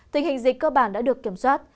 tình hình dịch cơ bản đã được kiểm soát